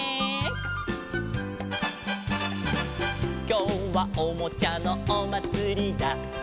「きょうはおもちゃのおまつりだ」